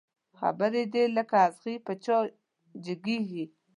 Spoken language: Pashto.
خبري دي لکه اغزي په چا جګېږي